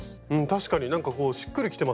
確かになんかしっくりきてますよね